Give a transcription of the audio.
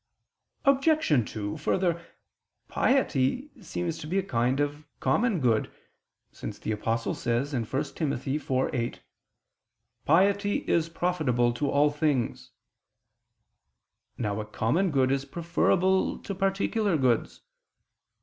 Obj. 2: Further, piety seems to be a kind of common good; since the Apostle says (1 Tim. 4:8): "Piety [Douay: 'Godliness'] is profitable to all things." Now a common good is preferable to particular goods.